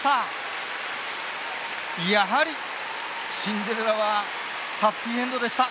やはりシンデレラはハッピーエンドでした。